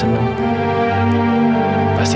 ya enak norman